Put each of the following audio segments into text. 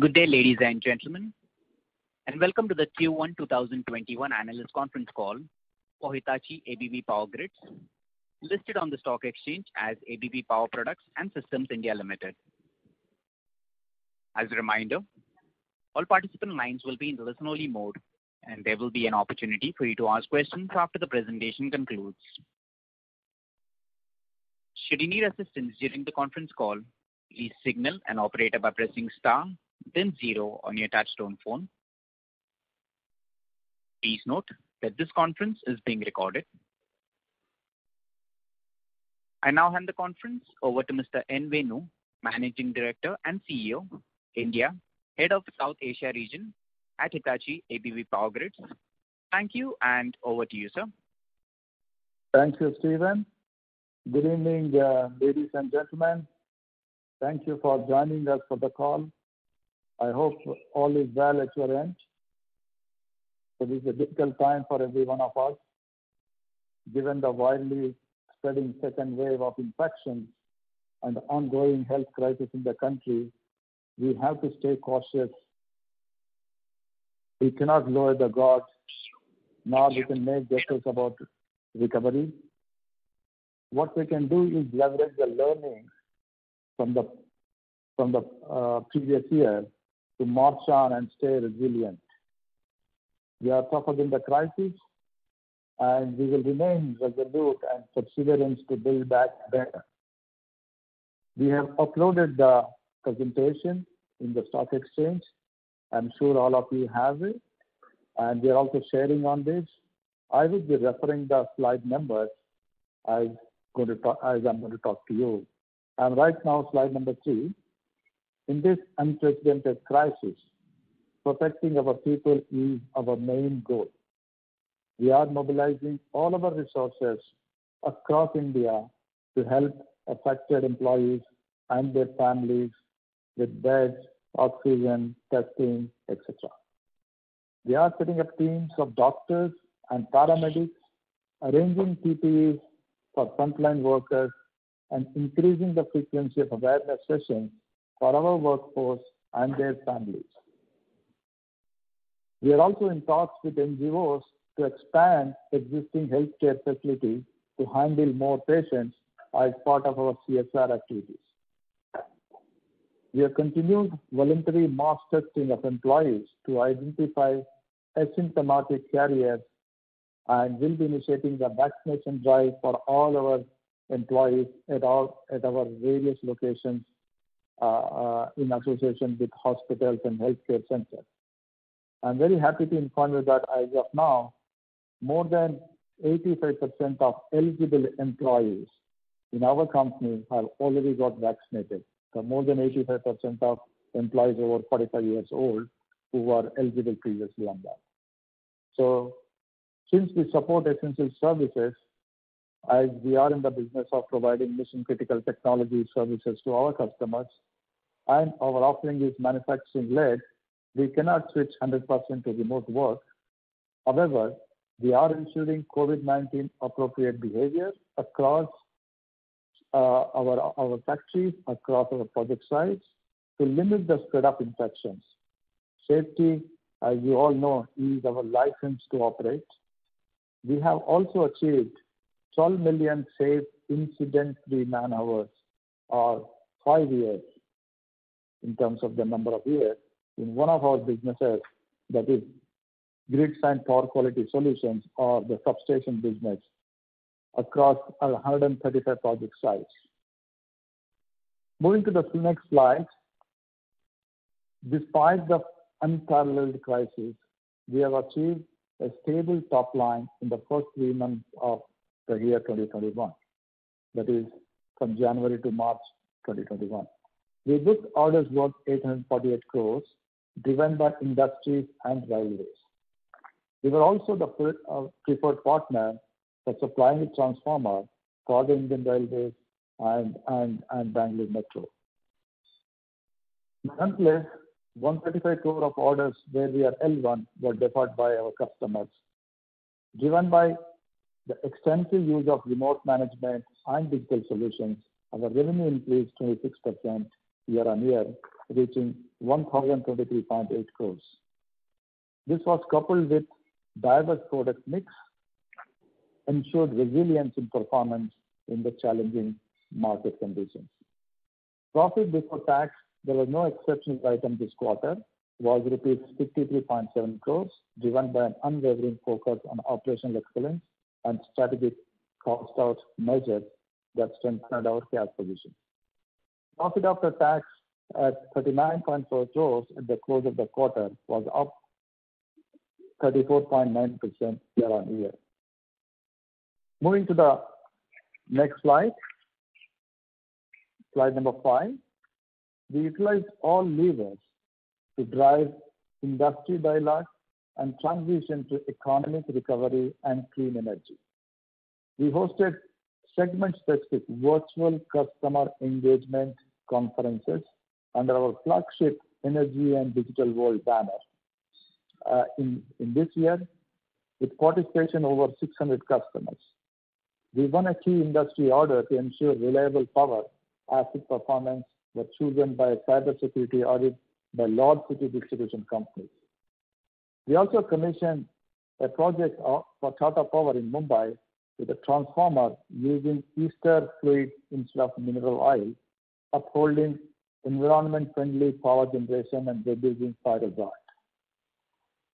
Good day, ladies and gentlemen, and welcome to the Q1 2021 analyst conference call for Hitachi ABB Power Grids, listed on the stock exchange as ABB Power Products and Systems India Limited. As a reminder, all participant lines will be in listen only mode, and there will be an opportunity for you to ask questions after the presentation concludes. Should you need assistance during the conference call, please signal an operator by pressing star then zero on your touch-tone phone. Please note that this conference is being recorded. I now hand the conference over to Mr. N. Venu, Managing Director and CEO, India, Head of South Asia region at Hitachi ABB Power Grids. Thank you, and over to you, sir. Thank you, Steven. Good evening, ladies and gentlemen. Thank you for joining us for the call. I hope all is well at your end. It is a difficult time for every one of us. Given the widely spreading second wave of infections and the ongoing health crisis in the country, we have to stay cautious. We cannot lower the guards, nor we can make guesses about recovery. What we can do is leverage the learning from the previous year to march on and stay resilient. We are tougher than the crisis, and we will remain resolute and persevering to build back better. We have uploaded the presentation in the stock exchange. I'm sure all of you have it, and we are also sharing on this. I will be referring the slide numbers as I'm going to talk to you. Right now, slide number three. In this unprecedented crisis, protecting our people is our main goal. We are mobilizing all of our resources across India to help affected employees and their families with beds, oxygen, testing, et cetera. We are setting up teams of doctors and paramedics, arranging PPEs for frontline workers, and increasing the frequency of awareness sessions for our workforce and their families. We are also in talks with NGOs to expand existing healthcare facilities to handle more patients as part of our CSR activities. We have continued voluntary mass testing of employees to identify asymptomatic carriers and will be initiating the vaccination drive for all our employees at our various locations, in association with hospitals and healthcare centers. I'm very happy to inform you that as of now, more than 85% of eligible employees in our company have already got vaccinated. More than 85% of employees over 45 years old who were eligible previously on that. Since we support essential services, as we are in the business of providing mission critical technology services to our customers and our offering is manufacturing led, we cannot switch 100% to remote work. However, we are ensuring COVID-19 appropriate behavior across our factories, across our project sites to limit the spread of infections. Safety, as you all know, is our license to operate. We have also achieved 12 million safe incident-free man-hours or five years in terms of the number of years in one of our businesses, that is grids and power quality solutions or the substation business across 135 project sites. Moving to the next slide. Despite the unparalleled crisis, we have achieved a stable top line in the first three months of the year 2021. That is from January to March 2021. We booked orders worth 848 crores driven by industries and Indian Railways. We were also the preferred partner for supplying the transformer for the Indian Railways and Bangalore Metro. Monthly, 135 crore of orders where we are L1 were deferred by our customers. Driven by the extensive use of remote management and digital solutions, our revenue increased 26% year-on-year, reaching 1,023.8 crores. This was coupled with diverse product mix, ensured resilience in performance in the challenging market conditions. Profit before tax, there were no exceptional items this quarter, was rupees 63.7 crores, driven by an unwavering focus on operational excellence and strategic cost out measures that strengthened our cash position. Profit after tax at 39.4 crores at the close of the quarter was up 34.9% year-on-year. Moving to the next slide number five. We utilized all levers to drive industry dialogue and transition to economic recovery and clean energy. We hosted segment specific virtual customer engagement conferences under our flagship Energy and Digital World banner. In this year, with participation over 600 customers. We won a key industry order to ensure reliable power asset performance were chosen by a cybersecurity audit by large city distribution companies. We also commissioned a project for Tata Power in Mumbai with a transformer using ester fluid instead of mineral oil, upholding environment-friendly power generation and reducing fire risk.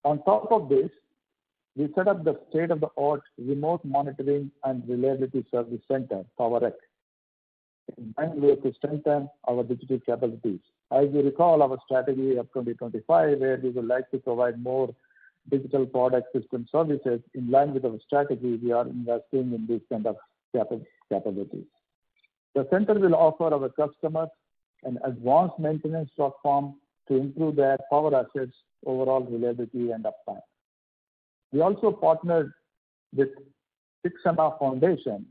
On top of this, we set up the state-of-the-art remote monitoring and reliability service center, Power X, to strengthen our digital capabilities. As you recall, our strategy of 2025, where we would like to provide more digital product, system services. In line with our strategy, we are investing in these kind of capabilities. The center will offer our customers an advanced maintenance platform to improve their power assets' overall reliability and uptime. We also partnered with Sikshana Foundation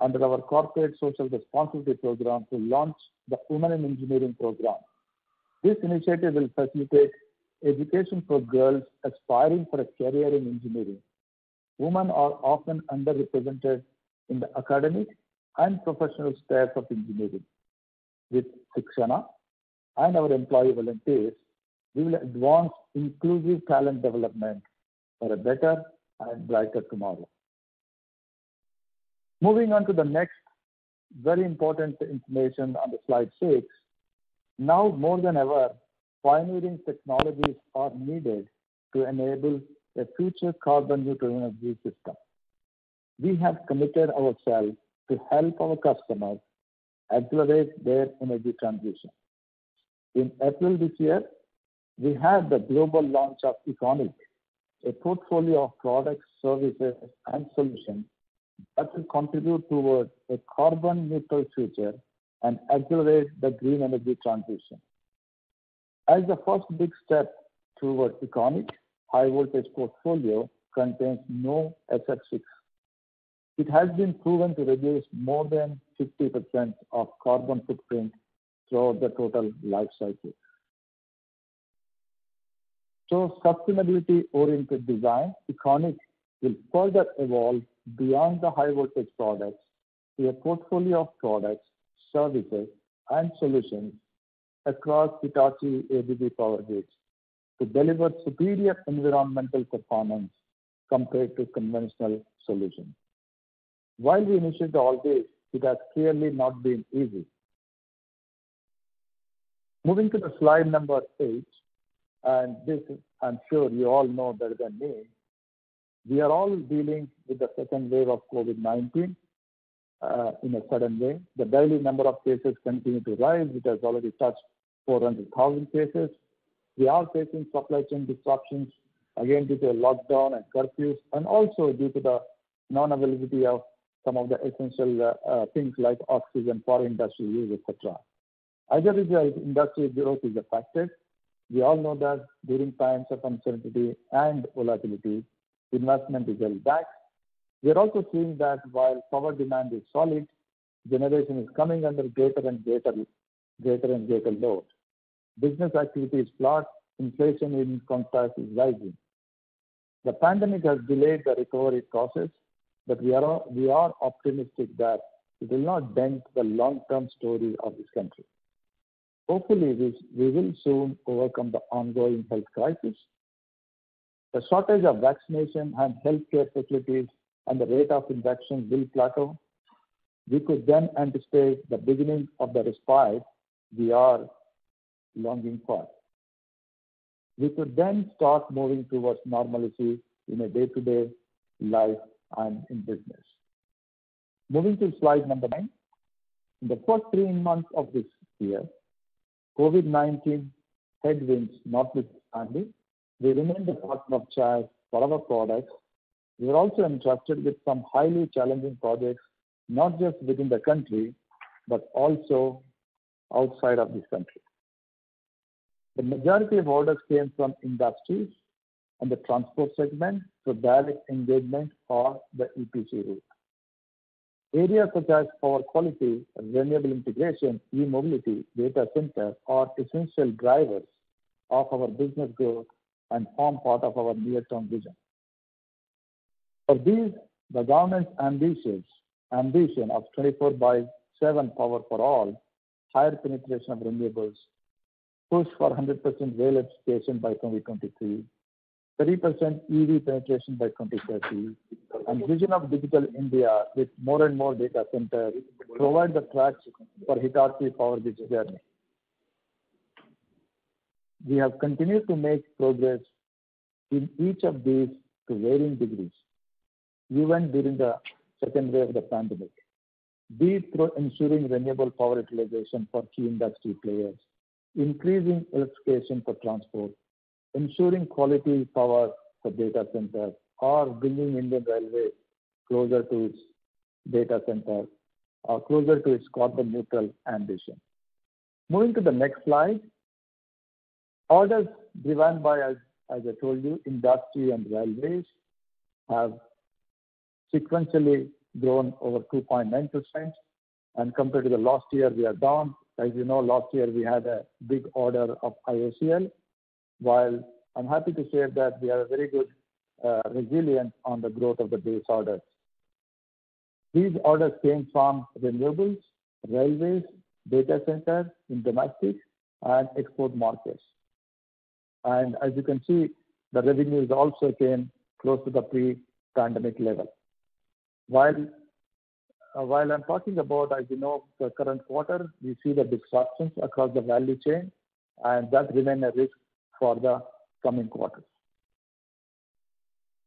under our corporate social responsibility program to launch the Women in Engineering program. This initiative will facilitate education for girls aspiring for a career in engineering. Women are often underrepresented in the academic and professional spheres of engineering. With Sikshana and our employee volunteers, we will advance inclusive talent development for a better and brighter tomorrow. Moving on to the next very important information on the slide six. Now more than ever, pioneering technologies are needed to enable a future carbon neutral energy system. We have committed ourselves to help our customers accelerate their energy transition. In April this year, we had the global launch of EconiQ, a portfolio of products, services, and solutions that will contribute towards a carbon neutral future and accelerate the green energy transition. As the first big step towards EconiQ, high voltage portfolio contains no SF6. It has been proven to reduce more than 50% of carbon footprint throughout the total life cycle. Through sustainability-oriented design, EconiQ will further evolve beyond the high voltage products to a portfolio of products, services, and solutions across Hitachi ABB Power Grids to deliver superior environmental performance compared to conventional solutions. While we initiated all this, it has clearly not been easy. Moving to the slide number eight, and this I'm sure you all know better than me. We are all dealing with the second wave of COVID-19, in a certain way. The daily number of cases continues to rise, it has already touched 400,000 cases. We are facing supply chain disruptions, again, due to lockdown and curfews, and also due to the non-availability of some of the essential things like oxygen for industrial use, et cetera. As a result, industry growth is affected. We all know that during times of uncertainty and volatility, investment is held back. We are also seeing that while power demand is solid, generation is coming under greater and greater load. Business activity is flat. Inflation, in contrast, is rising. The pandemic has delayed the recovery process, but we are optimistic that it will not dent the long-term story of this country. Hopefully, we will soon overcome the ongoing health crisis. The shortage of vaccination and healthcare facilities and the rate of infection will plateau. We could anticipate the beginning of the respite we are longing for. We could start moving towards normalcy in a day-to-day life and in business. Moving to slide number nine. In the first three months of this year, COVID-19 headwinds notwithstanding, we remained the partner of choice for our products. We were also entrusted with some highly challenging projects, not just within the country, but also outside of this country. The majority of orders came from industries and the transport segment through direct engagement or the EPC route. Areas such as power quality, renewable integration, e-mobility, data center, are essential drivers of our business growth and form part of our near-term vision. For these, the government's ambition of 24 by seven power for all, higher penetration of renewables, push for 100% rail electrification by 2023, 30% EV penetration by 2030, and vision of Digital India with more and more data centers provide the tracks for Hitachi ABB Power Grids journey. We have continued to make progress in each of these to varying degrees, even during the second wave of the pandemic. Be it through ensuring renewable power utilization for key industry players, increasing electrification for transport, ensuring quality power for data centers, or bringing Indian Railways closer to its data center or closer to its carbon neutral ambition. Moving to the next slide. Orders driven by, as I told you, industry and railways Sequentially grown over 2.9%, and compared to the last year, we are down. As you know, last year we had a big order of IOCL. While I'm happy to share that we are very good resilient on the growth of the base orders. These orders came from renewables, railways, data centers in domestic and export markets. As you can see, the revenues also came close to the pre-pandemic level. While I'm talking about, as you know, the current quarter, we see the disruptions across the value chain, and that remain a risk for the coming quarters.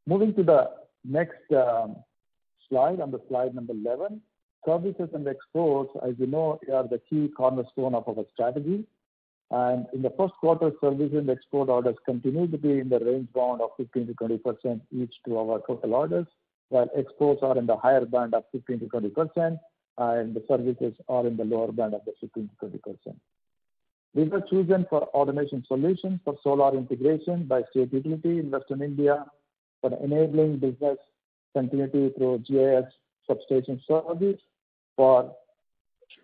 Moving to the next slide, on the slide number 11. Services and exports, as you know, are the key cornerstone of our strategy. In the first quarter, services and export orders continued to be in the range bound of 15%-20% each to our total orders, while exports are in the higher band of 15%-20%, and the services are in the lower band of the 15%-20%. These were chosen for automation solutions for solar integration by state utility in Western India, for enabling business continuity through GIS substation service for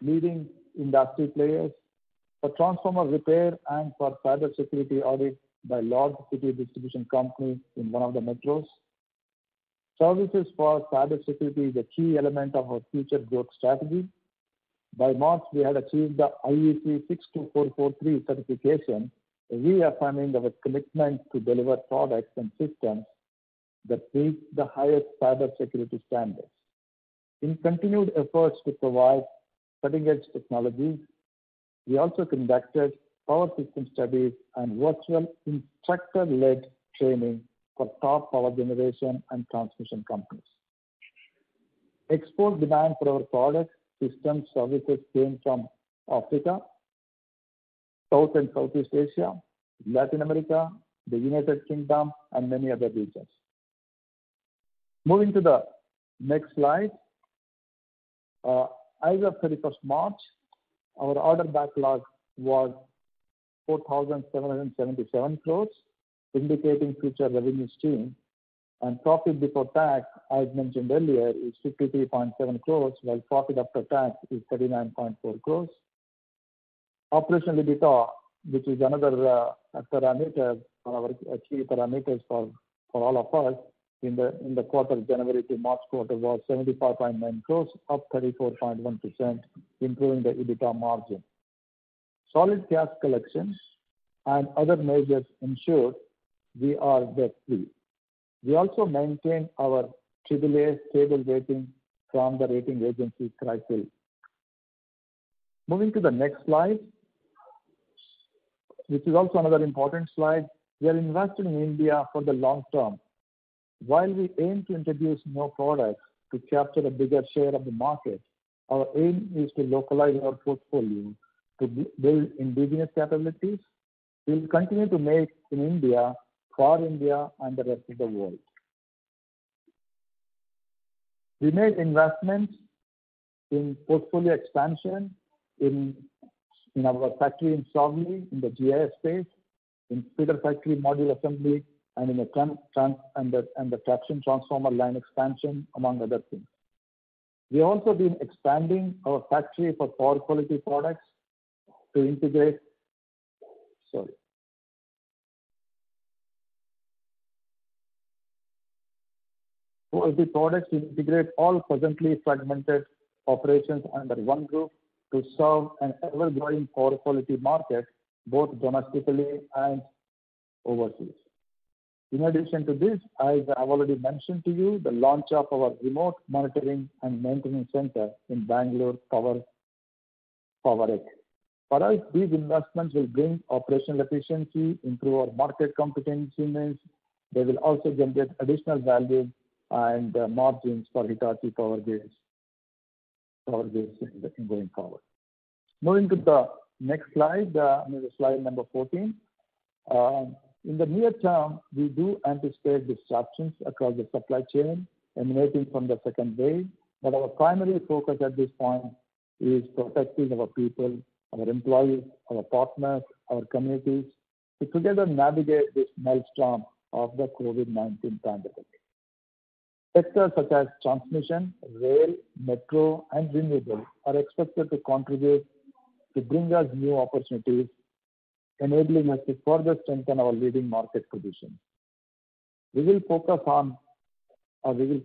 leading industry players, for transformer repair, and for cybersecurity audit by large city distribution company in one of the metros. Services for cybersecurity is a key element of our future growth strategy. By March, we had achieved the IEC 62443 certification, reaffirming our commitment to deliver products and systems that meet the highest cybersecurity standards. In continued efforts to provide cutting-edge technology, we also conducted power system studies and virtual instructor-led training for top power generation and transmission companies. Export demand for our products, systems, services came from Africa, South and Southeast Asia, Latin America, the United Kingdom, and many other regions. Moving to the next slide. As of 31st March, our order backlog was 4,777 crore, indicating future revenue stream. Profit before tax, as mentioned earlier, is 63.7 crores, while profit after tax is 39.4 crores. Operational EBITDA, which is another key parameter for all of us in the quarter January to March quarter was 75.9 crores, up 34.1%, improving the EBITDA margin. Solid cash collections and other measures ensured we are debt free. We also maintain our AAA stable rating from the rating agency CRISIL. Moving to the next slide. This is also another important slide. We are investing in India for the long term. While we aim to introduce more products to capture a bigger share of the market, our aim is to localize our portfolio to build indigenous capabilities. We will continue to Make in India for India and the rest of the world. We made investments in portfolio expansion in our factory in Savli in the GIS space, in feeder factory module assembly, and the traction transformer line expansion, among other things. We have also been expanding our factory for power quality products to integrate Sorry. As the products integrate all presently fragmented operations under one group to serve an ever-growing power quality market, both domestically and overseas. In addition to this, as I've already mentioned to you, the launch of our remote monitoring and maintenance center in Bangalore cover it. For us, these investments will bring operational efficiency, improve our market competitiveness. They will also generate additional value and margins for Hitachi ABB Power Grids going forward. Moving to the next slide number 14. In the near term, we do anticipate disruptions across the supply chain emanating from the second wave, but our primary focus at this point is protecting our people, our employees, our partners, our communities to together navigate this maelstrom of the COVID-19 pandemic. Sectors such as transmission, rail, metro, and renewable are expected to contribute to bring us new opportunities, enabling us to further strengthen our leading market position. We will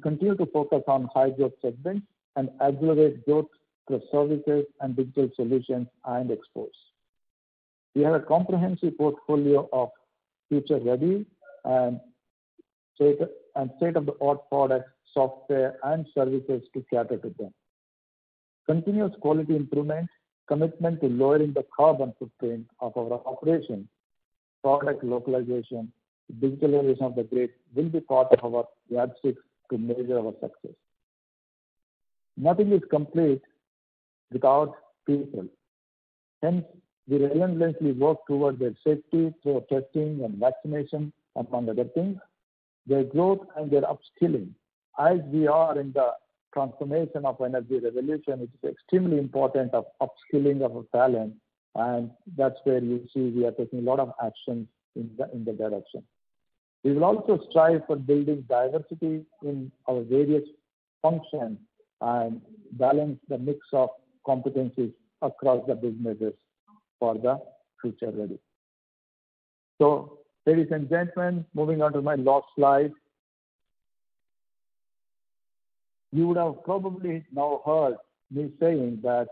continue to focus on high growth segments and aggregate growth through services and digital solutions and exports. We have a comprehensive portfolio of future-ready and state-of-the-art products, software, and services to cater to them. Continuous quality improvement, commitment to lowering the carbon footprint of our operations, product localization, digitalization of the grid will be part of our yardsticks to measure our success. Nothing is complete without people. Hence, we relentlessly work towards their safety through testing and vaccination, among other things, their growth and their upskilling as we are in the-Transformation of energy revolution, which is extremely important of upskilling of talent, That's where you see we are taking a lot of actions in the direction. We will also strive for building diversity in our various functions and balance the mix of competencies across the businesses for the future ready. Ladies and gentlemen, moving on to my last slide. You would have probably now heard me saying that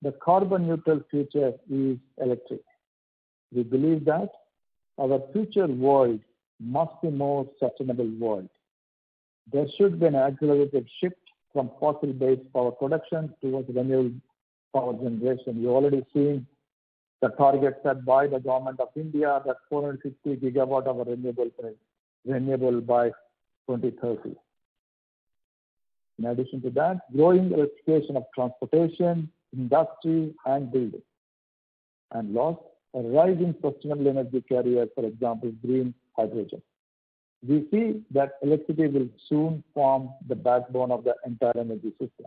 the carbon neutral future is electric. We believe that our future world must be more sustainable world. There should be an accelerated shift from fossil-based power production towards renewable power generation. You already seen the target set by the Government of India that 450 gigawatt of renewable by 2030. In addition to that, growing electrification of transportation, industry, and building. Last, a rising sustainable energy carrier, for example, green hydrogen. We see that electricity will soon form the backbone of the entire energy system.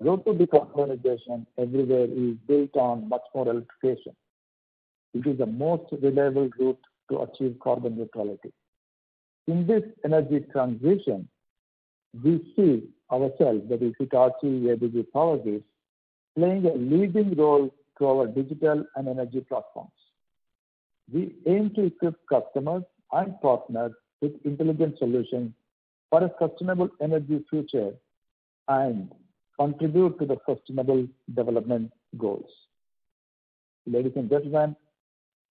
Road to decarbonization everywhere is built on much more electrification. It is the most reliable route to achieve carbon neutrality. In this energy transition, we see ourselves, that is Hitachi ABB Power Grids, playing a leading role through our digital and energy platforms. We aim to equip customers and partners with intelligent solutions for a sustainable energy future and contribute to the sustainable development goals. Ladies and gentlemen,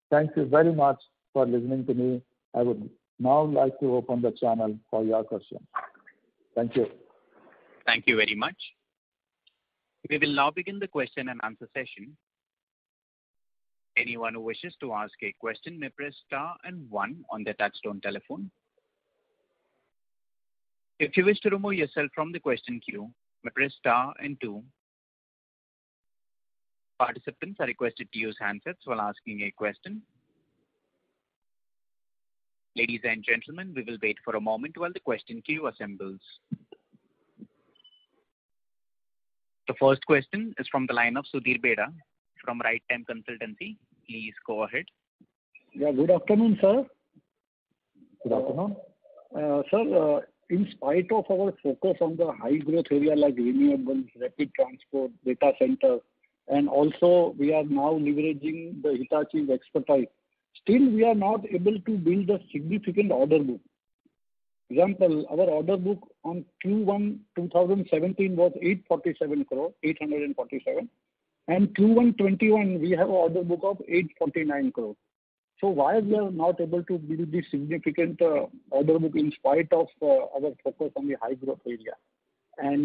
thank you very much for listening to me. I would now like to open the channel for your questions. Thank you. Thank you very much. We will now begin the question and answer session. Anyone who wishes to ask a question may press star one on their touchtone telephone. If you wish to remove yourself from the question queue, may press star two. Participants are requested to use handsets while asking a question. Ladies and gentlemen, we will wait for a moment while the question queue assembles. The first question is from the line of Sudhir Bera from Right Time Consultancy. Please go ahead. Yeah. Good afternoon, sir. Good afternoon. Sir, in spite of our focus on the high growth area like renewables, rapid transport, data center, and also we are now leveraging the Hitachi expertise, still we are not able to build a significant order book. Example, our order book on Q1 2017 was 847 crore, 847. Q1 2021, we have a order book of 849 crore. Why we are not able to build this significant order book in spite of our focus on the high growth area?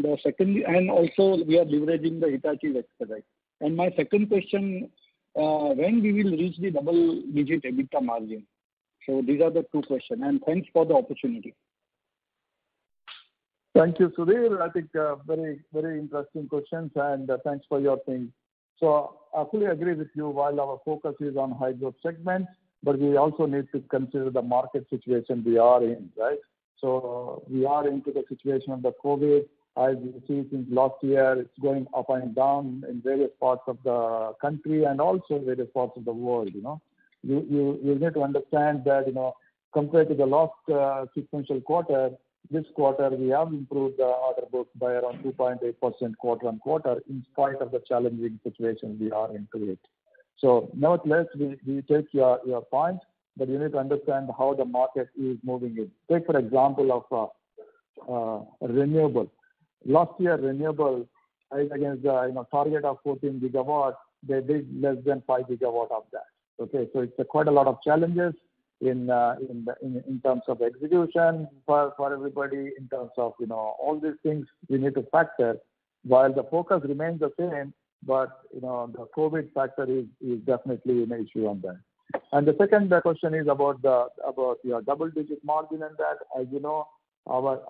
Also, we are leveraging the Hitachi expertise. My second question, when we will reach the double-digit EBITDA margin? These are the two question, and thanks for the opportunity. Thank you, Sudhir. I think very interesting questions, and thanks for your time. I fully agree with you, while our focus is on high growth segments, but we also need to consider the market situation we are in, right? We are into the situation of the COVID. As you see since last year, it's going up and down in various parts of the country and also various parts of the world. You need to understand that, compared to the last sequential quarter, this quarter we have improved the order book by around 2.8% quarter on quarter in spite of the challenging situation we are into it. Nonetheless, we take your point, but you need to understand how the market is moving it. Take for example of renewable. Last year, renewable, as against target of 14 gigawatt, they did less than five gigawatt of that. Okay, it's quite a lot of challenges in terms of execution for everybody, in terms of all these things we need to factor while the focus remains the same, but the COVID factor is definitely an issue on that. The second question is about your double-digit margin and that. As you know, our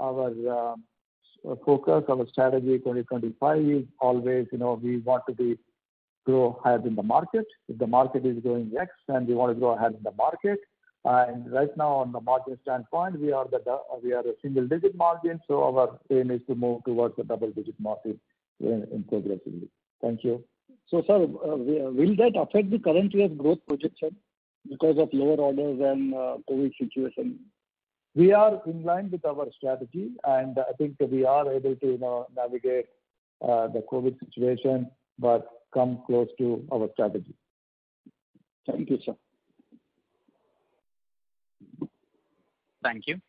focus, our Strategy 2025 is always, we want to grow ahead in the market. If the market is growing X, then we want to grow ahead in the market. Right now on the margin standpoint, we are a single-digit margin, our aim is to move towards the double-digit margin progressively. Thank you. sir, will that affect the current year's growth projection because of lower orders and COVID situation? We are in line with our strategy, and I think we are able to navigate the COVID situation, but come close to our strategy. Thank you, sir. Thank you.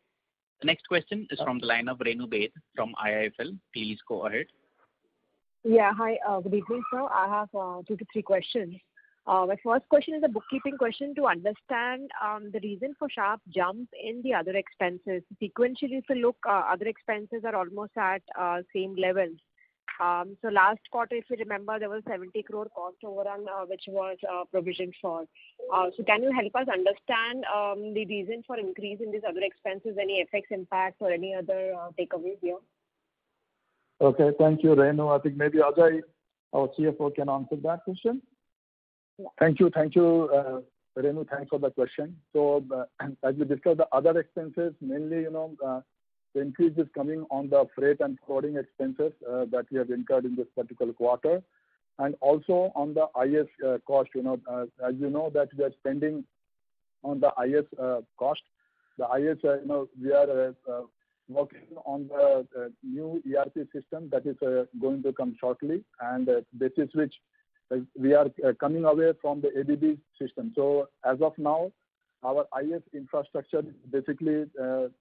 The next question is from the line of Renu Baid from IIFL. Please go ahead. Yeah. Hi. Good evening, sir. I have two to three questions. My first question is a bookkeeping question to understand the reason for sharp jumps in the other expenses. Sequentially, if you look, other expenses are almost at same levels. Last quarter, if you remember, there was 70 crore cost overrun, which was provisioned for. Can you help us understand the reason for increase in these other expenses? Any FX impact or any other takeaways here? Thank you, Renu. I think maybe Ajay, our CFO, can answer that question. Thank you, Renu. Thanks for the question. As we discussed, the other expenses, mainly the increase is coming on the freight and forwarding expenses that we have incurred in this particular quarter. Also on the IS cost. As you know that we are spending on the IS cost. The IS, we are working on the new ERP system that is going to come shortly. This is which we are coming away from the ABB system. As of now, our IS infrastructure, basically,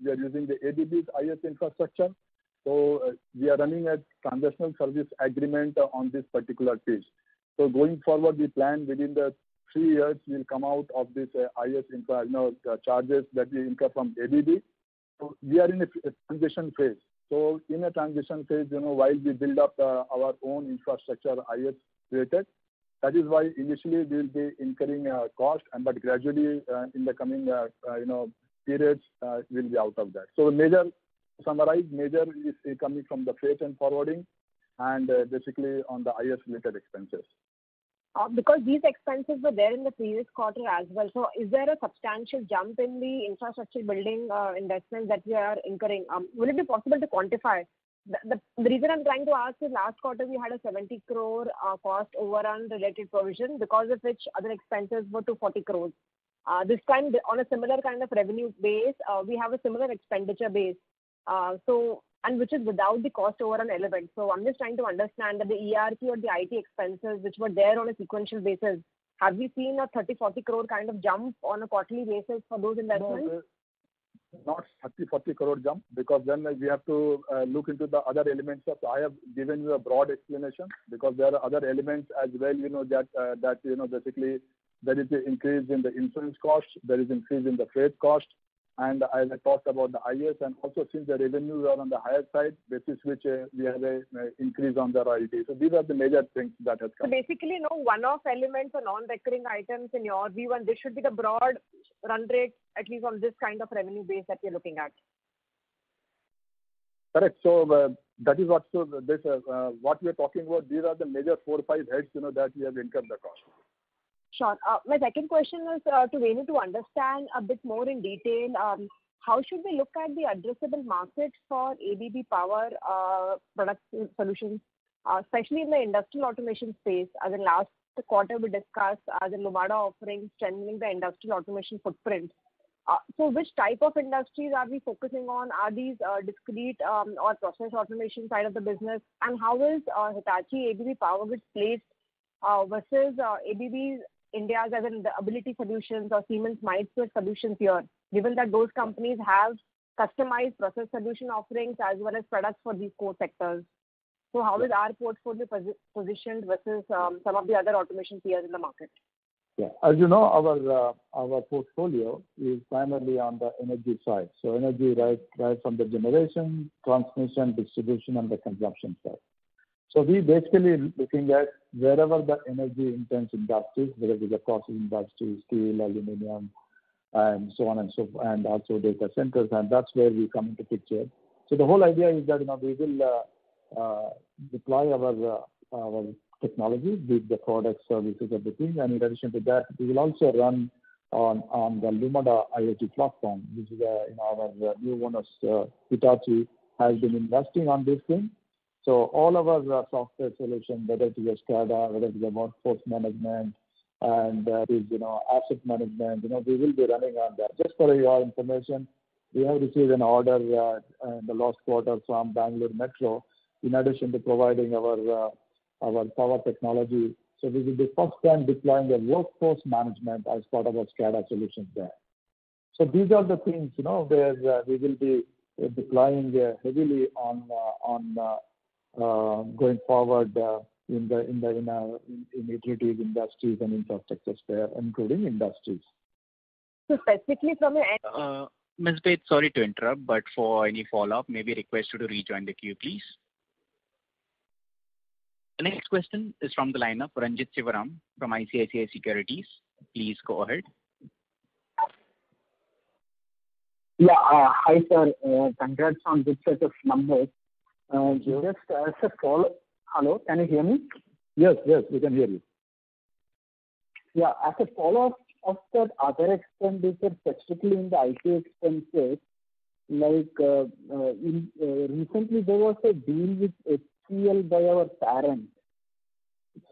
we are using the ABB's IS infrastructure. We are running a transitional service agreement on this particular phase. Going forward, we plan within the three years, we'll come out of this IS charges that we incur from ABB. We are in a transition phase. In a transition phase, while we build up our own infrastructure IS related, that is why initially we will be incurring a cost but gradually, in the coming periods, we'll be out of that. To summarize, major is coming from the freight and forwarding, and basically on the IS related expenses. Because these expenses were there in the previous quarter as well. Is there a substantial jump in the infrastructure building investment that we are incurring? Will it be possible to quantify? The reason I'm trying to ask is last quarter, we had a 70 crore cost overrun related provision because of which other expenses were to 40 crore. This time, on a similar kind of revenue base, we have a similar expenditure base and which is without the cost overrun element. I'm just trying to understand that the ERP or the IT expenses which were there on a sequential basis. Have we seen a 30 crore, 40 crore kind of jump on a quarterly basis for those investments? No. Not 30 crore-40 crore jump, because then we have to look into the other elements of I have given you a broad explanation because there are other elements as well that basically there is an increase in the insurance cost, there is increase in the freight cost, and as I talked about the IT, and also since the revenues are on the higher side, basis which we have a increase on the IT. These are the major things that has come. Basically, no one-off elements or non-recurring items in your view and this should be the broad run rate, at least on this kind of revenue base that you're looking at. Correct. That is what we're talking about. These are the major four, five heads that we have incurred the cost. Sure. My second question was to Renu to understand a bit more in detail, how should we look at the addressable markets for ABB Power products solutions, especially in the industrial automation space, as in last quarter we discussed as Lumada offering strengthening the industrial automation footprint. Which type of industries are we focusing on? Are these discrete or process automation side of the business? How is Hitachi ABB Power Grids placed versus ABB India's as in the ABB Ability solutions or Siemens MindSphere solutions here, given that those companies have customized process solution offerings as well as products for these core sectors. How is our portfolio positioned versus some of the other automation peers in the market? Yeah. As you know, our portfolio is primarily on the energy side. Energy right from the generation, transmission, distribution, and the consumption side. We basically looking at wherever the energy intense industries, whether it is a processing industry, steel, aluminum, and so on and so forth, and also data centers, and that's where we come into picture. The whole idea is that we will deploy our technologies with the products, services, everything. In addition to that, we will also run on the Lumada IoT platform, which is our new one as Hitachi has been investing on this thing. All of our software solution, whether it is SCADA, whether it is the workforce management and is asset management, we will be running on that. Just for your information, we have received an order in the last quarter from Bangalore Metro in addition to providing our power technology. This will be first time deploying a workforce management as part of our SCADA solutions there. These are the things where we will be deploying heavily on going forward in integrated industries and infrastructures there, including industries. specifically from Ms. Baid, sorry to interrupt, but for any follow-up, may we request you to rejoin the queue, please. The next question is from the line of Renjit Sivaram from ICICI Securities. Please go ahead. Yeah. Hi, sir. Congrats on good set of numbers. Hello, can you hear me? Yes, we can hear you. Yeah. As a follow-up of that other expenditures, specifically in the IT expenditures, like recently there was a deal with HCLTech by our parent.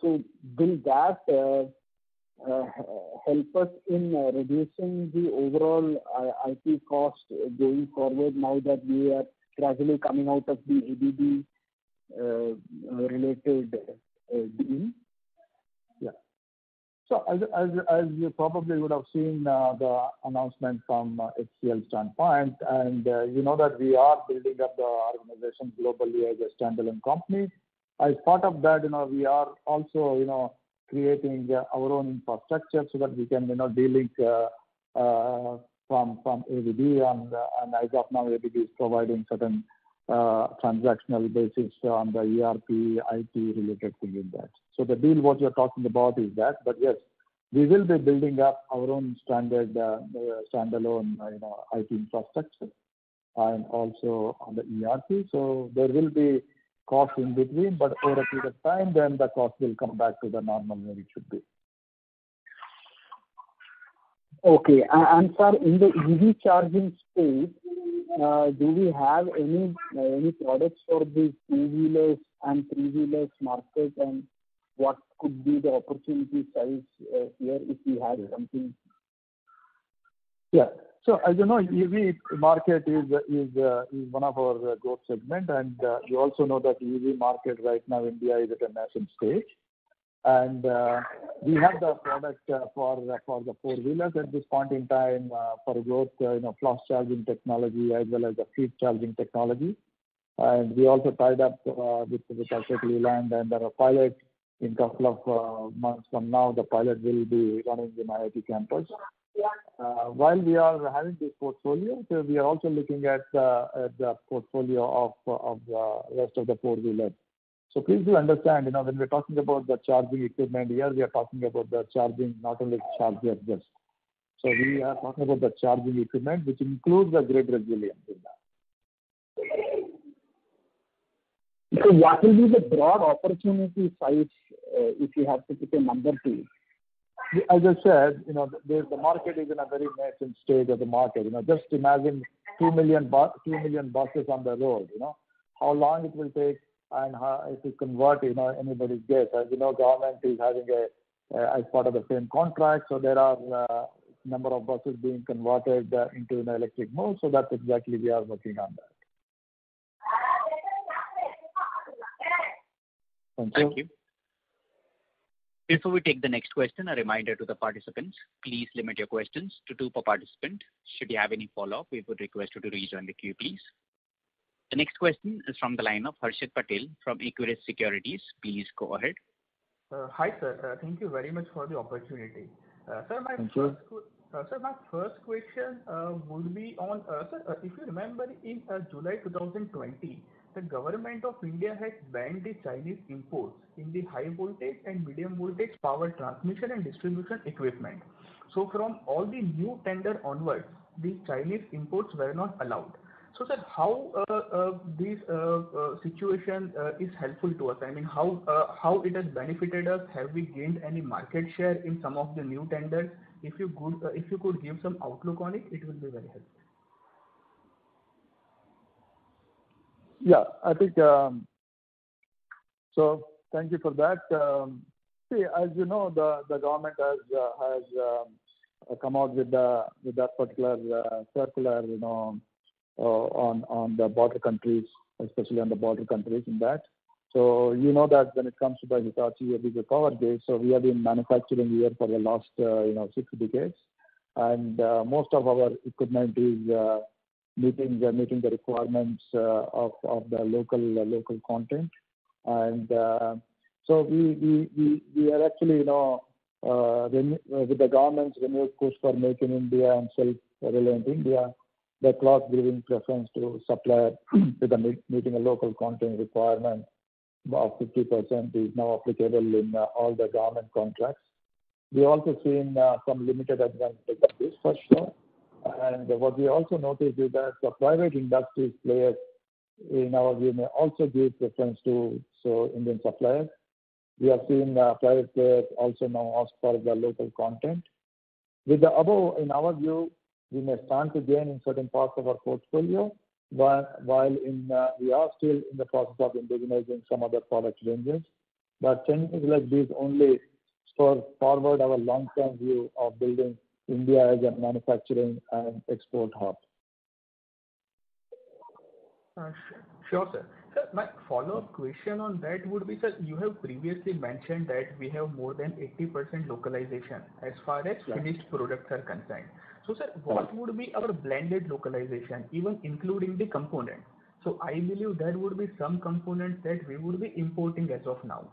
Will that help us in reducing the overall IT cost going forward now that we are gradually coming out of the ABB related deal? Yeah. As you probably would have seen the announcement from HCLTech standpoint. You know that we are building up the organization globally as a standalone company. As part of that, we are also creating our own infrastructure so that we can de-link from ABB. As of now, ABB is providing certain transactional basis on the ERP, IT related to that. The deal what you're talking about is that. But yes. We will be building up our own standard standalone IT infrastructure and also on the ERP. There will be cost in between, but over a period of time, then the cost will come back to the normal way it should be. Okay. Sir, in the EV charging space, do we have any products for these two-wheelers and three-wheelers market, and what could be the opportunity size here if we had something? As you know, EV market is one of our growth segment. You also know that EV market right now, India is at a nascent stage. We have the product for the four-wheelers at this point in time for both fast charging technology as well as the free charging technology. We also tied up with Tata Steel Limited under a pilot. In a couple of months from now, the pilot will be running in IIT campus. While we are having this portfolio, we are also looking at the portfolio of the rest of the four-wheeler. Please do understand, when we're talking about the charging equipment here, we are talking about the charging, not only charger just. We are talking about the charging equipment, which includes the grid resilience in that. What will be the broad opportunity size, if you have to put a number to it? As I said, the market is in a very nascent stage of the market. Just imagine 2 million buses on the road. How long it will take and how it will convert, anybody's guess. As you know, government is having as part of the same contract. There are number of buses being converted into an electric mode. That's exactly we are working on that. Thank you. Thank you. Before we take the next question, a reminder to the participants, please limit your questions to two per participant. Should you have any follow-up, we would request you to rejoin the queue, please. The next question is from the line of Harshit Patel from Equirus Securities. Please go ahead. Hi, sir. Thank you very much for the opportunity. Thank you. Sir, my first question would be on, if you remember, in July 2020, the government of India had banned the Chinese imports in the high voltage and medium voltage power transmission and distribution equipment. From all the new tender onwards, the Chinese imports were not allowed. Sir, how this situation is helpful to us? I mean, how it has benefited us? Have we gained any market share in some of the new tenders? If you could give some outlook on it will be very helpful. Yeah. Thank you for that. As you know, the government has come out with that particular circular on the border countries. You know that when it comes to Hitachi ABB Power Grids, we have been manufacturing here for the last six decades. Most of our equipment is meeting the requirements of the local content. We are actually, with the government's renewed push for Make in India and Self-Reliant India, the clause giving preference to supplier meeting a local content requirement of 50% is now applicable in all the government contracts. We also seen some limited advancement of this for sure. What we also noticed is that the private industry players, in our view, may also give preference to Indian suppliers. We are seeing private players also now ask for the local content. With the above, in our view, we may stand to gain in certain parts of our portfolio, while we are still in the process of indigenizing some other product ranges. Changes like these only spur forward our long term view of building India as a manufacturing and export hub. Sure, sir. Sir, my follow-up question on that would be, sir, you have previously mentioned that we have more than 80% localization as far as- Yeah finished products are concerned. sir, what would be our blended localization, even including the component? I believe there would be some component that we would be importing as of now.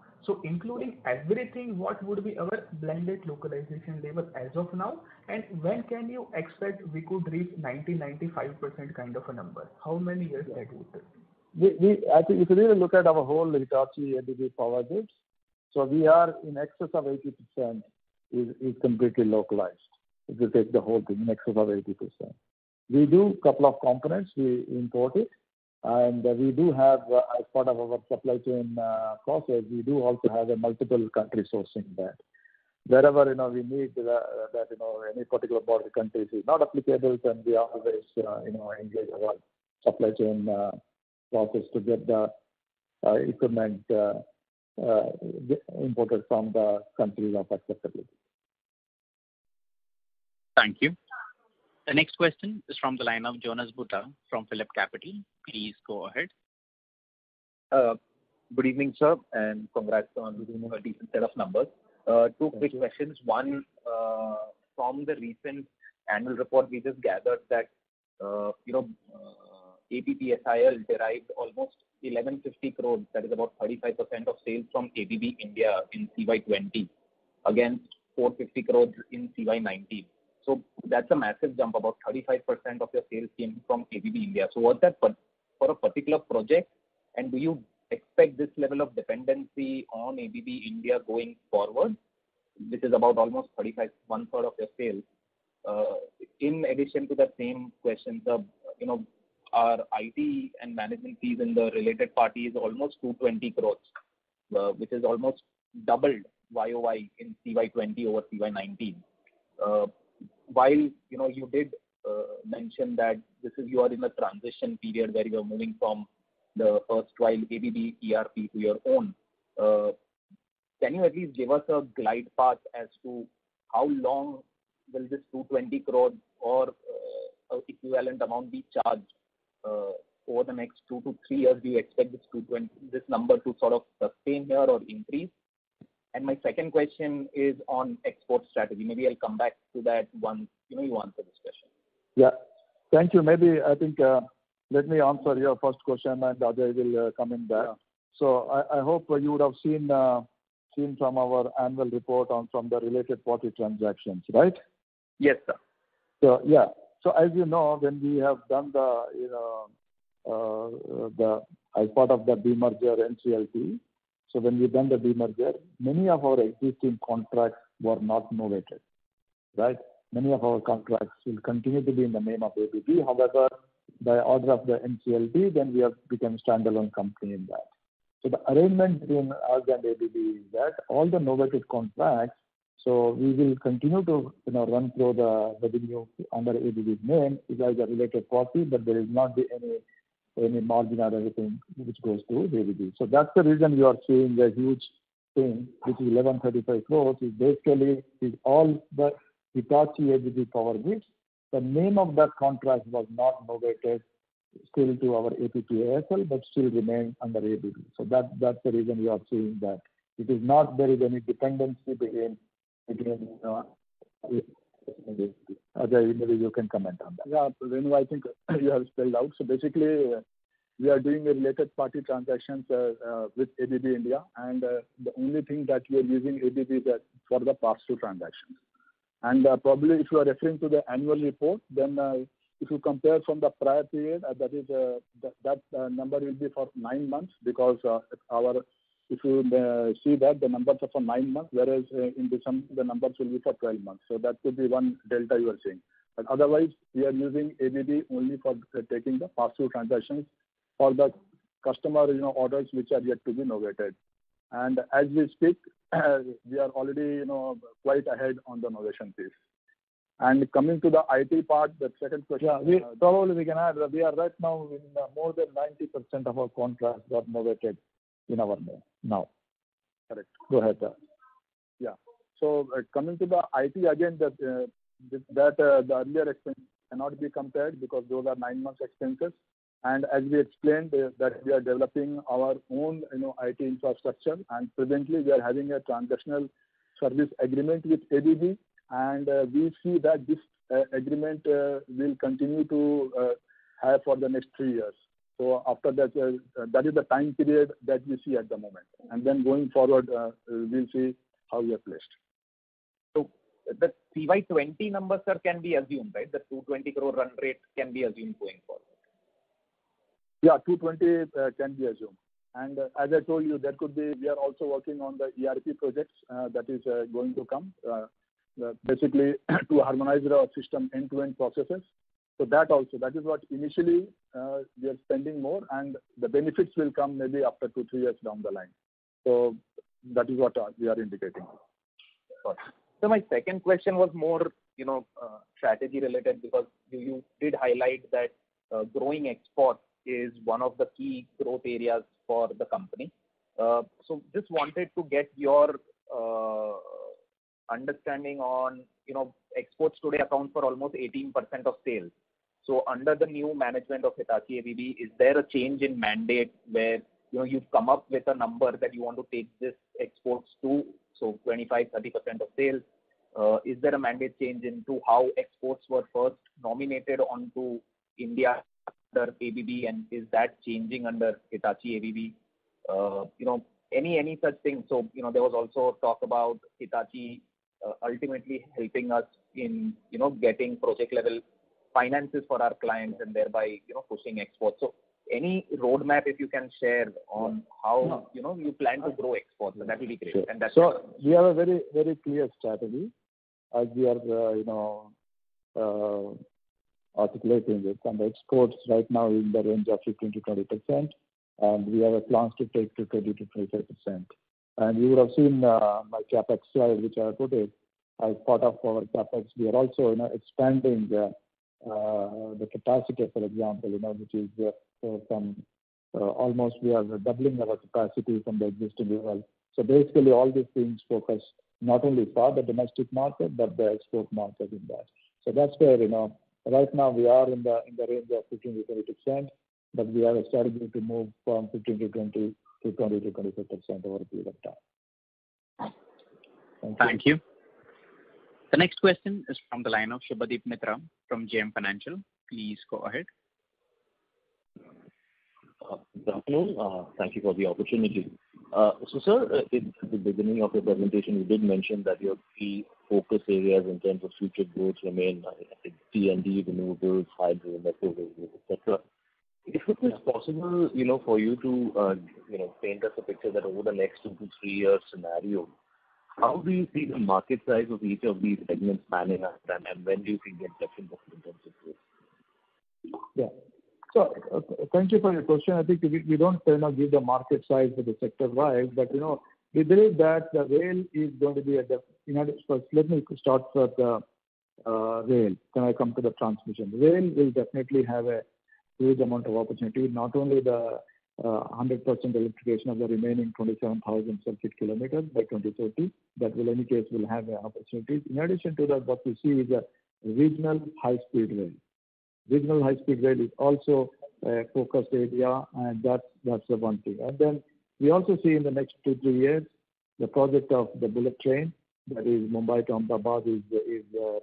Including everything, what would be our blended localization level as of now, and when can you expect we could reach 90%-95% kind of a number? How many years ahead would it be? If you really look at our whole Hitachi ABB Power Grids, we are in excess of 80% is completely localized. If you take the whole thing, in excess of 80%. We do couple of components, we import it, and we do have, as part of our supply chain process, we do also have a multiple country sourcing there. Wherever we need that any particular border countries is not applicable, then we always engage our supply chain process to get the equipment imported from the countries of our suitability. Thank you. The next question is from the line of Jonas Bhutta from PhillipCapital. Please go ahead. Good evening, sir. Congrats on delivering a decent set of numbers. Two quick questions. One, from the recent annual report, we just gathered that APPSIL derived almost 1,150 crore, that is about 35% of sales from ABB India in CY 2020, against 450 crore in CY 2019. That's a massive jump. About 35% of your sales came from ABB India. Was that for a particular project? Do you expect this level of dependency on ABB India going forward? This is about almost 35%, one-third of your sales. In addition to the same questions, our IT and management fees in the related party is almost 220 crore, which is almost doubled YoY in CY 2020 over CY 2019. While you did mention that you are in a transition period where you are moving from the erstwhile ABB ERP to your own, can you at least give us a glide path as to how long will this 220 crore or equivalent amount be charged over the next two to three years? Do you expect this number to sort of sustain here or increase? My second question is on export strategy. Maybe I'll come back to that once you answer this question. Yeah. Thank you. Maybe, I think, let me answer your first question and Ajay will come in there. Yeah. I hope you would have seen some of our annual report from the related party transactions, right? Yes, sir. As you know, when we have done as part of the demerger NCLT. When we've done the demerger, many of our existing contracts were not novated. Many of our contracts will continue to be in the name of ABB. However, by order of the NCLT, then we have become standalone company in that. The arrangement between us and ABB is that all the novated contracts, we will continue to run through the revenue under ABB's name as a related party, but there will not be any margin or anything which goes to ABB. That's the reason you are seeing a huge thing, which is 1,135 crores, is basically all the Hitachi ABB Power Grids. The name of that contract was not novated still to our APPSIL, but still remains under ABB. That's the reason we are seeing that. It is not there is any dependency between ABB and us. Ajay, maybe you can comment on that. Venu, I think you have spelled out. Basically, we are doing related party transactions with ABB India, and the only thing that we are using ABB is for the pass-through transactions. Probably, if you are referring to the annual report, then if you compare from the prior period, that number will be for nine months because if you see that the numbers are for nine months, whereas in December, the numbers will be for 12 months. That could be one delta you are seeing. Otherwise, we are using ABB only for taking the pass-through transactions for the customer orders which are yet to be novated. As we speak, we are already quite ahead on the novation piece. Coming to the IT part, that second question- Yeah. Probably we can add that we are right now in more than 90% of our contracts got novated in our name now. Correct. Go ahead. Yeah. Coming to the IT again, the earlier expense cannot be compared because those are nine months expenses. As we explained that we are developing our own IT infrastructure, and presently we are having a transitional service agreement with ABB, and we see that this agreement will continue to have for the next three years. That is the time period that we see at the moment. Going forward, we'll see how we are placed. The CY 2020 numbers, sir, can be assumed, right? The 220 crore run rate can be assumed going forward. Yeah, 220 can be assumed. As I told you, we are also working on the ERP projects that is going to come, basically to harmonize our system end-to-end processes. That also. That is what initially we are spending more, and the benefits will come maybe after two to three years down the line. That is what we are indicating. Got it. My second question was more strategy related because you did highlight that growing exports is one of the key growth areas for the company. Just wanted to get your understanding on exports today account for almost 18% of sales. Under the new management of Hitachi ABB, is there a change in mandate where you've come up with a number that you want to take this exports to, 25%-30% of sales? Is there a mandate change into how exports were first nominated onto India under ABB, and is that changing under Hitachi ABB? Any such thing. There was also talk about Hitachi ultimately helping us in getting project level finances for our clients and thereby pushing exports. Any roadmap if you can share on how you plan to grow exports, that will be great. That's all. Sure. We have a very clear strategy as we are articulating it. The exports right now in the range of 15%-20%, and we have a plan to take to 20%-25%. You would have seen my CapEx slide, which I have put it as part of our CapEx. We are also expanding the capacity, for example, which is from almost we are doubling our capacity from the existing level. Basically, all these things focus not only for the domestic market, but the export market in that. That's where right now we are in the range of 15%-20%, but we are aspiring to move from 15%-20% to 20%-25% over a period of time. Thank you. The next question is from the line of Subhadip Mitra from JM Financial. Please go ahead. Good afternoon. Thank you for the opportunity. Sir, in the beginning of your presentation, you did mention that your key focus areas in terms of future growth remain, I think, T&D, renewables, hydro, network, et cetera. If it was possible for you to paint us a picture that over the next two to three years scenarioHow do you see the market size of each of these segments panning out, and when do you think it will come to fruition? Yeah. Thank you for your question. I think we don't give the market size sector-wise, but we believe that the rail is going to be First, let me start with the rail, I come to the transmission. Rail will definitely have a huge amount of opportunity, not only the 100% electrification of the remaining 27,000 circuit kilometers by 2030. That will, any case, will have opportunities. In addition to that, what we see is regional high-speed rail. Regional high-speed rail is also a focused area, that's the one thing. We also see in the next two, three years, the project of the bullet train, that is Mumbai to Ahmedabad, is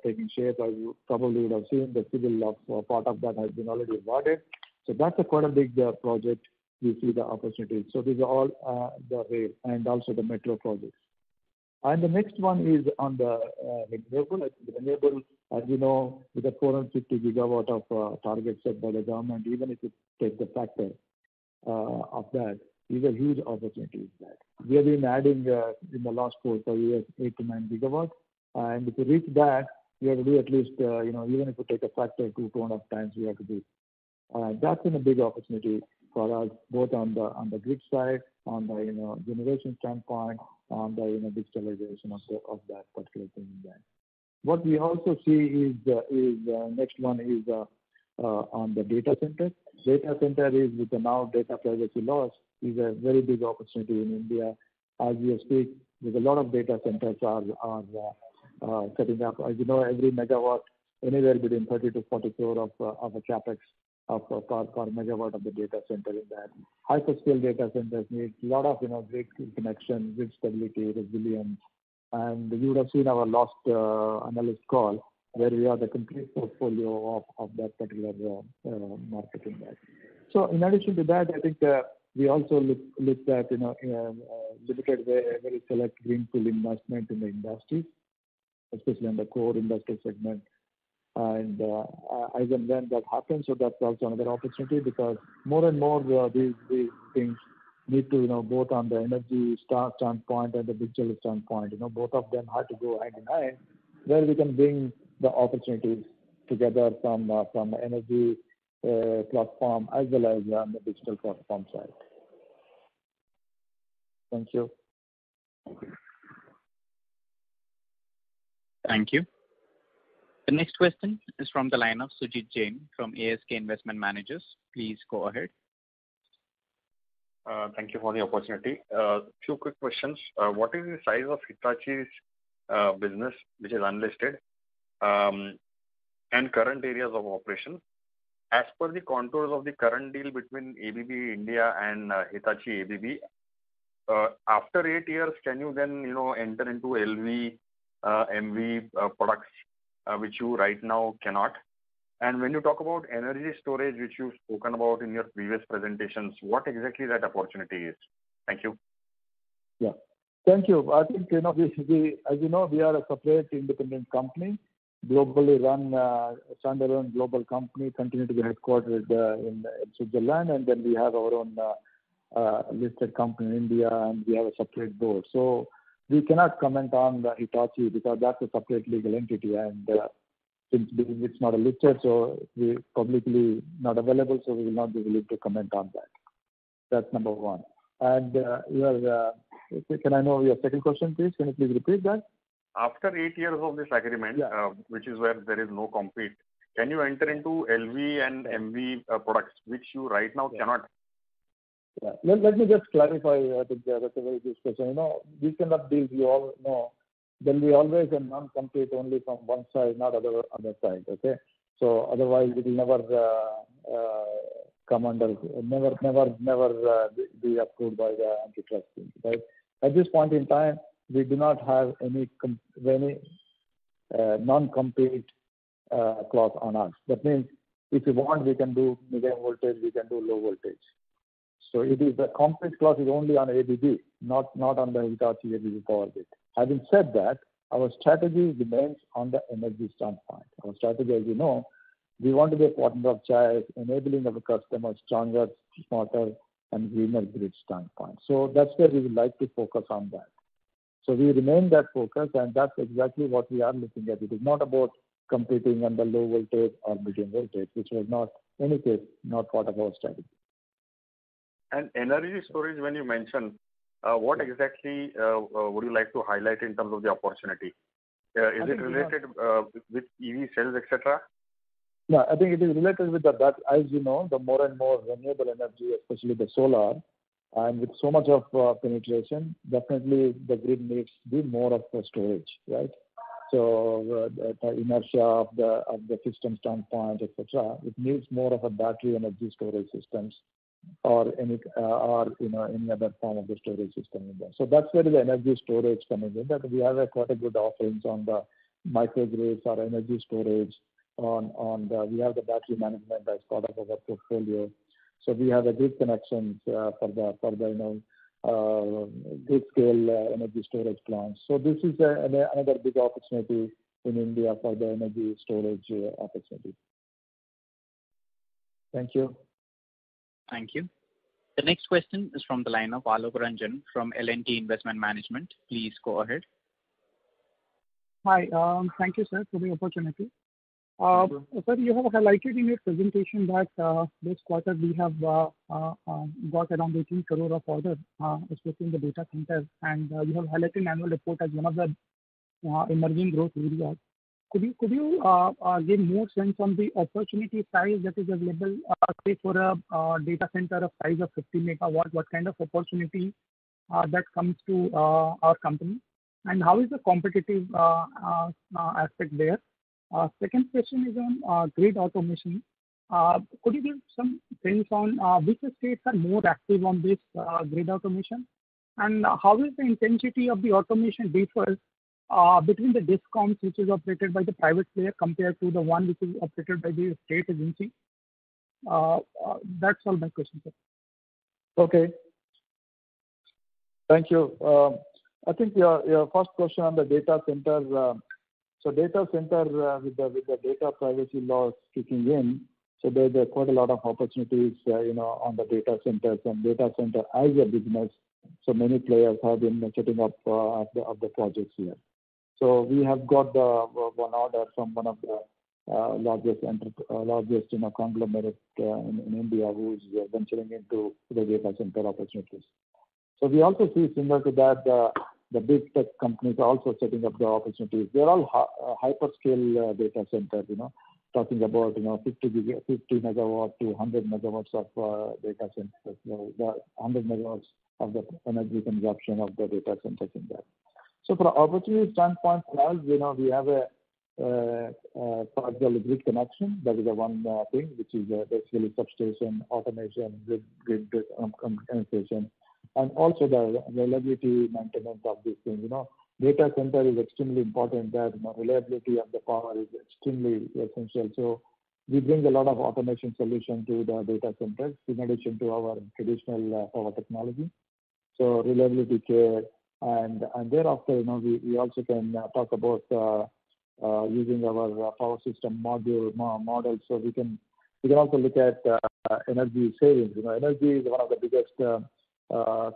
taking shape. As you probably would have seen, the civil part of that has been already awarded. That's a quite a big project we see the opportunity. These are all the rail and also the metro projects. The next one is on the renewable. As you know, with the 450 GW of targets set by the government, even if you take the factor of that, is a huge opportunity in that. We have been adding, in the last four, five years, 8 GW-9 GW. To reach that, we have to do at least, even if you take a factor two, 4x, we have to do. That's been a big opportunity for us, both on the grid side, on the generation standpoint, on the digitalization of that particular thing there. What we also see is, next one is on the data center. Data center is, with the amount of data privacy laws, is a very big opportunity in India. As we speak, there's a lot of data centers are setting up. As you know, every megawatt, anywhere between 30 crore- 40 crore of CapEx per MW of the data center in there. High-scale data centers need lot of grid connection, grid stability, resilience. You would have seen our last analyst call, where we have the complete portfolio of that particular market in that. In addition to that, I think we also look at limited, very select greenfield investment in the industry, especially in the core industrial segment. As and when that happens, so that's also another opportunity because more and more these things need to, both on the energy standpoint and the digital standpoint. Both of them have to go hand in hand, where we can bring the opportunities together from the energy platform as well as on the digital platform side. Thank you. Thank you. The next question is from the line of Sumit Jain from ASK Investment Managers. Please go ahead. Thank you for the opportunity. Two quick questions. What is the size of Hitachi's business, which is unlisted, and current areas of operation? As per the contours of the current deal between ABB India and Hitachi ABB, after eight years, can you then enter into LV, MV products which you right now cannot? When you talk about energy storage, which you've spoken about in your previous presentations, what exactly that opportunity is? Thank you. Yeah. Thank you. I think, as you know, we are a separate independent company, standalone global company, continue to be headquartered in Switzerland, and then we have our own listed company in India, and we have a separate board. We cannot comment on the Hitachi because that's a separate legal entity, and since it's not a listed, so publicly not available, so we will not be able to comment on that. That's number one. Can I know your second question, please? Can you please repeat that? After eight years of this agreement. Yeah which is where there is no compete, can you enter into LV and MV products, which you right now cannot? Let me just clarify. I think that's a very good question. We always are non-compete only from one side, not other side. Okay? Otherwise it will never be approved by the antitrust team. At this point in time, we do not have any non-compete clause on us. That means, if we want, we can do medium voltage, we can do low voltage. The compete clause is only on ABB, not on the Hitachi ABB Power Grids. Having said that, our strategy remains on the energy standpoint. Our strategy, as you know, we want to be a partner of choice, enabling our customer stronger, smarter and greener grid standpoint. That's where we would like to focus on that. We remain that focus, and that's exactly what we are looking at. It is not about competing on the low voltage or medium voltage, which was, in any case, not part of our strategy. Energy storage, when you mention, what exactly would you like to highlight in terms of the opportunity? Is it related with EV sales, et cetera? I think it is related with that. As you know, the more and more renewable energy, especially the solar, and with so much of penetration, definitely the grid needs to be more of a storage, right? The inertia of the system standpoint, et cetera, it needs more of a battery energy storage systems or any other form of the storage system in there. That's where the energy storage comes in. In that we have a quite a good offerings on the microgrids, our energy storage, and we have the battery management as part of our portfolio. We have a good connections for the grid-scale energy storage plants. This is another big opportunity in India for the energy storage opportunity. Thank you. Thank you. The next question is from the line of Alok Ranjan from L&T Investment Management. Please go ahead. Hi. Thank you, sir, for the opportunity. Welcome. Sir, you have highlighted in your presentation that this quarter we have got around 18 crore of order, especially in the data center, and you have highlighted annual report as one of the emerging growth areas. Could you give more sense on the opportunity size that is available, say, for a data center of size of 50 MW, what kind of opportunity that comes to our company? How is the competitive aspect there? Second question is on Grid Automation. Could you give some sense on which states are more active on this Grid Automation? How is the intensity of the automation differs between the discoms which is operated by the private player compared to the one which is operated by the state agency? That's all my questions, sir. Okay. Thank you. I think your first question on the data centers. Data center, with the data privacy laws kicking in, there are quite a lot of opportunities on the data centers, and data center as a business. Many players have been setting up of the projects here. We have got one order from one of the largest conglomerate in India who's venturing into the data center opportunities. We also see similar to that, the big tech companies are also setting up the opportunities. They're all hyperscale data centers. Talking about 50 MW-100 MW of data centers. 100 MW of the energy consumption of the data centers in that. For opportunity standpoint as well, we have a project delivery connection. That is the one thing which is basically substation, automation, grid compensation, and also the reliability maintenance of these things. Data center is extremely important there. Reliability of the power is extremely essential. We bring a lot of automation solution to the data centers in addition to our traditional power technology. Reliability care, thereafter, we also can talk about using our power system model. We can also look at energy savings. Energy is one of the biggest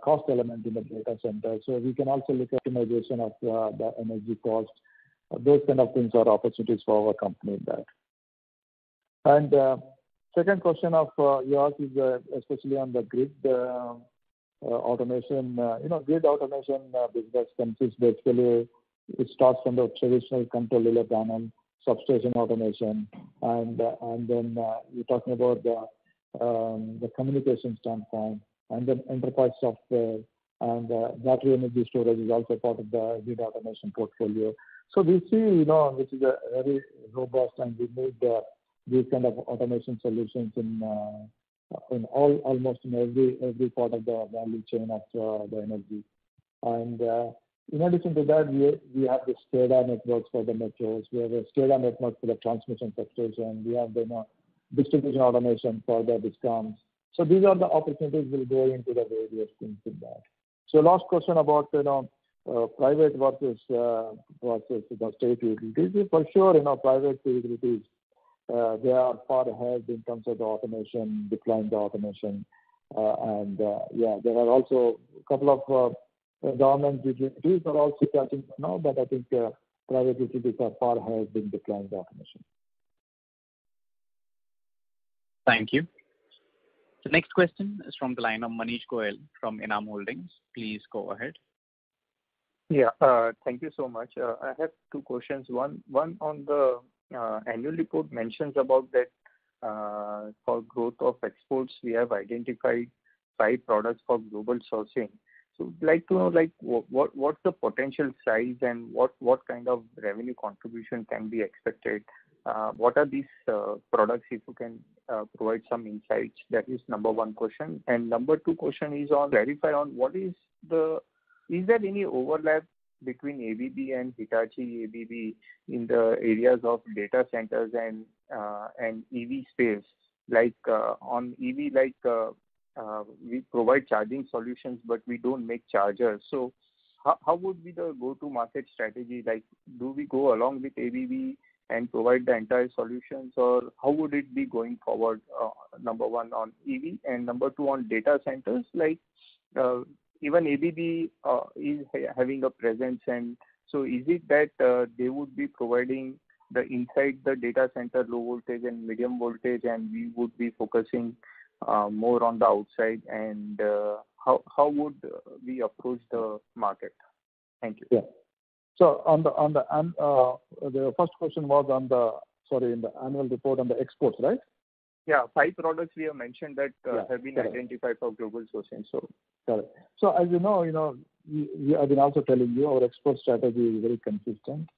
cost element in the data center. We can also look at minimization of the energy cost. Those kind of things are opportunities for our company in that. Second question of yours is especially on the Grid Automation. Grid Automation business consists basically, it starts from the traditional control relay panel, substation automation, and then you're talking about the communication standpoint and then enterprise software and battery energy storage is also part of the Grid Automation portfolio. We see this is a very robust and we need these kind of automation solutions in almost in every part of the value chain of the energy. In addition to that, we have the SCADA networks for the metros. We have a SCADA network for the transmission substation. We have distribution automation for the discoms. These are the opportunities will go into the various things in that. Last question about private versus state agencies. For sure, private utilities they are far ahead in terms of the automation, digitalizing the automation. Yeah, there are also couple of government utilities are also catching now. I think private utilities are far ahead in digitalizing the automation. Thank you. The next question is from the line of Manish Goel from Enam Holdings. Please go ahead. Yeah. Thank you so much. I have two questions. One on the annual report mentions about that for growth of exports, we have identified five products for global sourcing. Would like to know what's the potential size and what kind of revenue contribution can be expected. What are these products, if you can provide some insights? That is number one question. Number two question is on clarify on is there any overlap between ABB and Hitachi ABB in the areas of data centers and EV space? On EV, we provide charging solutions, but we don't make chargers. How would be the go-to-market strategy? Do we go along with ABB and provide the entire solutions, or how would it be going forward, number one, on EV. Number two, on data centers, even ABB is having a presence. So is it that they would be providing the inside the data center, low voltage and medium voltage, and we would be focusing more on the outside? How would we approach the market? Thank you. Yeah. The first question was in the annual report on the exports, right? Yeah. Five products we have mentioned. Yeah, correct. have been identified for global sourcing. Got it. As you know, I've been also telling you, our export strategy is very consistent,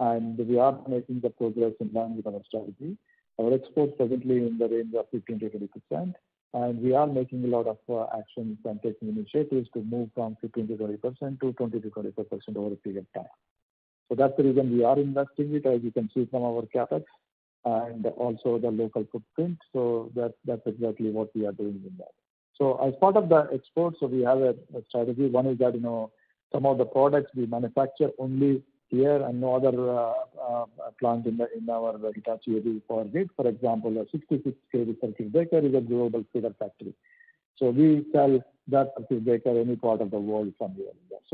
and we are making the progress in line with our strategy. Our exports presently in the range of 15%-20%, and we are making a lot of actions and taking initiatives to move from 15%-20% to 20%-25% over a period of time. That's the reason we are investing it, as you can see from our CapEx, and also the local footprint. That's exactly what we are doing in that. As part of the export, so we have a strategy. One is that some of the products we manufacture only here and no other plant in our Hitachi ABB Power Grids. For example, a 66kV circuit breaker is a global feeder factory. We sell that circuit breaker any part of the world from here.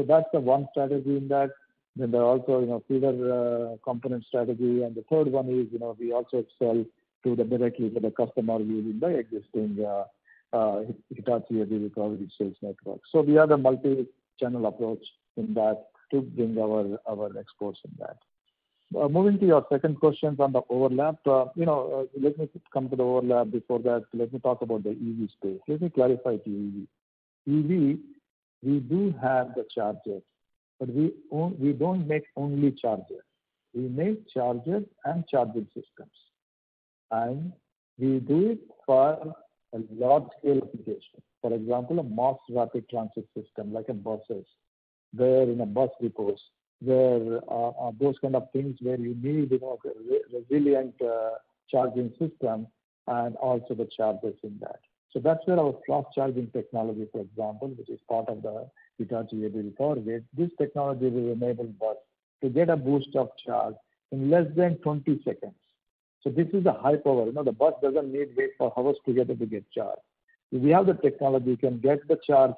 That's the one strategy in that. There are also feeder component strategy. The third one is, we also sell directly to the customer using the existing Hitachi ABB Power Grids sales network. We have a multi-channel approach in that to bring our exports in that. Moving to your second question on the overlap. Let me come to the overlap. Before that, let me talk about the EV space. Let me clarify to you. EV, we do have the chargers, but we don't make only chargers. We make chargers and charging systems. We do it for a large scale application. For example, a mass rapid transit system, like in buses. Where in a bus depots, where those kind of things where you need a resilient charging system and also the chargers in that. That's where our fast charging technology, for example, which is part of the Hitachi ABB Power Grids, this technology will enable bus to get a boost of charge in less than 20 sec. This is a high power. The bus doesn't need wait for hours together to get charged. We have the technology. We can get the charge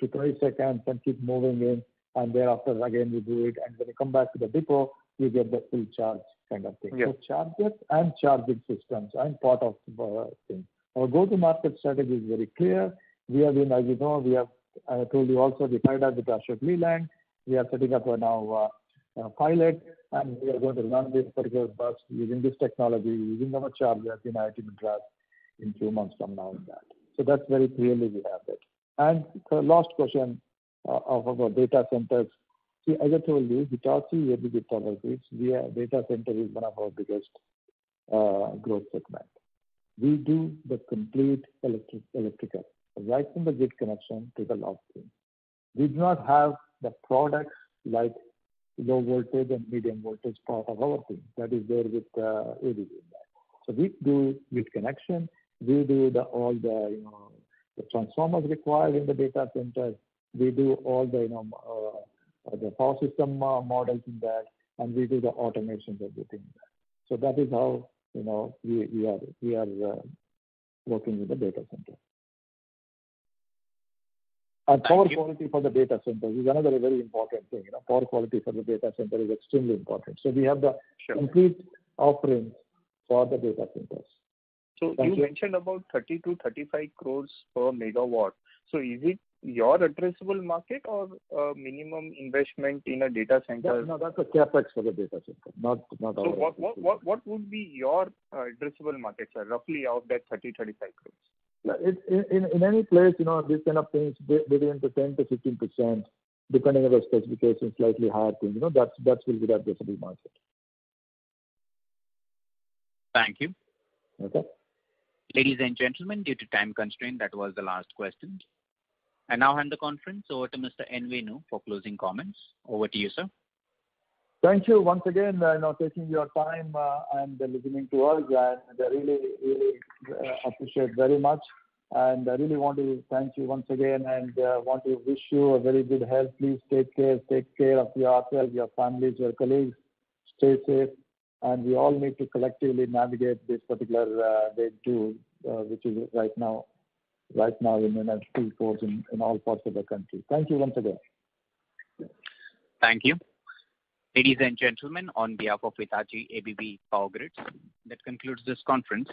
to 20 sec. And keep moving in, and thereafter again, we do it, and when you come back to the depot, you get the full charge kind of thing. Yeah. Chargers and charging systems are part of the thing. Our go-to-market strategy is very clear. As you know, I told you also we tied up with Ashok Leyland. We are setting up right now a pilot, and we are going to run this particular bus using this technology, using our chargers in IIT Madras in two months from now in that. That very clearly we have that. The last question of our data centers. See, as I told you, Hitachi ABB Power Grids, data center is one of our biggest growth segment. We do the complete electrical, right from the grid connection to the last pin. We do not have the products like low voltage and medium voltage part of our thing. That is there with ABB in that. We do grid connection, we do all the transformers required in the data centers, we do all the power system models in that, and we do the automations everything in that. That is how we are working with the data center. Power quality for the data center is another very important thing. Power quality for the data center is extremely important. Sure complete offerings for the data centers. You mentioned about 30 crore-35 crore per megawatt. Is it your addressable market or a minimum investment in a data center? No, that's a CapEx for the data center, not our- What would be your addressable market, sir? Roughly out of that 30 crore-35 crore. In any place, these kind of things, between the 10%-15%, depending on the specifications, slightly higher too. That will be the addressable market. Thank you. Okay. Ladies and gentlemen, due to time constraint, that was the last question. I now hand the conference over to Mr. N. Venu for closing comments. Over to you, sir. Thank you once again, taking your time, and listening to us. I really appreciate very much. I really want to thank you once again and want to wish you a very good health. Please take care of yourself, your families, your colleagues. Stay safe. We all need to collectively navigate this particular wave two, which is right now in its full force in all parts of the country. Thank you once again. Thank you. Ladies and gentlemen, on behalf of Hitachi ABB Power Grids, that concludes this conference.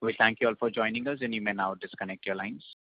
We thank you all for joining us. You may now disconnect your lines.